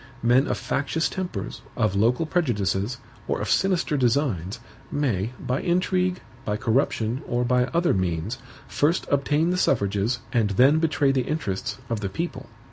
Men of factious tempers, of local prejudices, or of sinister designs, may, by intrigue, by corruption, or by other means, first obtain the suffrages, and then betray the interests, of the people.